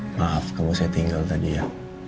maaf kalau saya tinggal tadi ya